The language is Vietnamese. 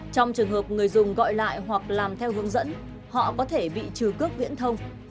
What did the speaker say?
trong trường hợp người dùng gọi lại hoặc làm theo hướng dẫn họ có thể bị trừ cước viễn thông